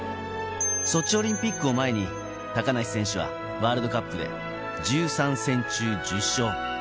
ソチオリンピックを前に高梨選手はワールドカップで１３戦中１０勝。